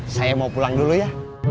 saya mau pulang dulu ya